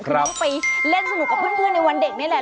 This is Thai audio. น้องไปเล่นสนุกกับเพื่อนในวันเด็กนี่แหละ